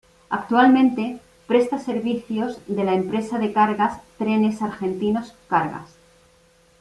Actualmente, presta servicios de la empresa de cargas Trenes Argentinos Cargas.